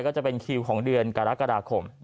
ก็จะเป็นคิวของเดือนกรกฎาคม